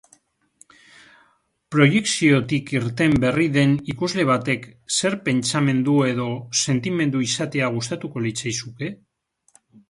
Proiekziotik irten berri den ikusle batek zer pentsamendu edo sentimendu izatea gustatuko litzaizuke?